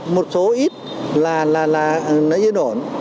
một số ít là yên ổn